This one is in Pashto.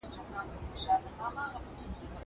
په زړه کي مي اوس نور څه ستا په اړه دي روان